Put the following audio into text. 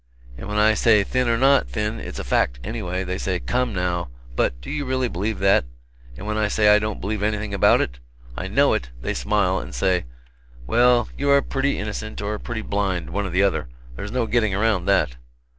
And when I say thin or not thin it's a fact, anyway, they say, 'Come, now, but do you really believe that?' and when I say I don't believe anything about it, I know it, they smile and say, 'Well, you are pretty innocent, or pretty blind, one or the other there's no getting around that.'